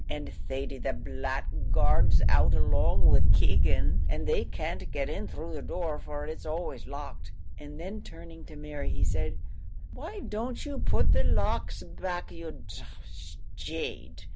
and Thady the blackguard's out along wid Keegan, and they can't get in through the door, for it's always locked;" and then turning to Mary, he said, "why don't you put the locks back, you d d jade?